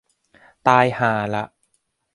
ตายห่าละ